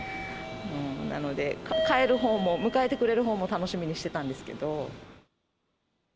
なので、帰るほうも、迎えてくれるほうも楽しみにしてたんですけれども。